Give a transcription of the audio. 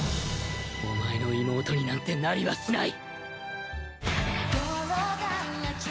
お前の妹になんてなりはしない。